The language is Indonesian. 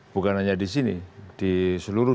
bukan hanya di sini di seluruh